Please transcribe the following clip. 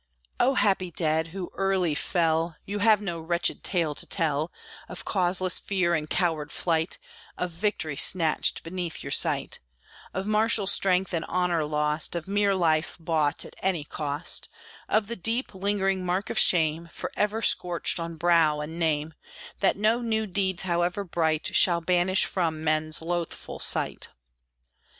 O happy dead! who early fell, Ye have no wretched tale to tell Of causeless fear and coward flight, Of victory snatched beneath your sight, Of martial strength and honor lost, Of mere life bought at any cost, Of the deep, lingering mark of shame, Forever scorched on brow and name, That no new deeds, however bright, Shall banish from men's loathful sight!